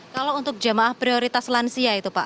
kalau untuk jemaah prioritas lansia itu pak